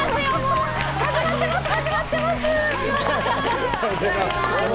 始まってますよ！